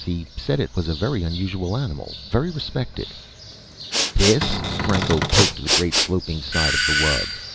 He said it was a very unusual animal. Very respected." "This?" Franco poked the great sloping side of the wub.